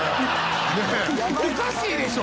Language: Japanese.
「ねえおかしいでしょ！」